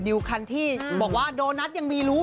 คันที่บอกว่าโดนัทยังมีรู้